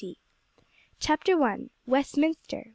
CHAPTER I. WESTMINSTER!